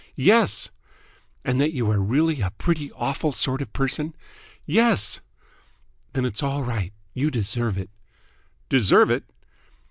"Yes!" "And that you are really a pretty awful sort of person?" "Yes!" "Then it's all right. You deserve it!" "Deserve it?"